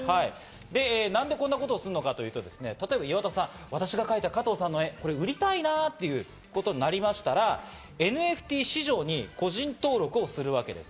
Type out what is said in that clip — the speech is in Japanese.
何でこんなことをするのかというと、例えば岩田さん、私が描いた加藤さんの絵を売りたいなぁということになりましたら、ＮＦＴ市場に個人登録をするわけです。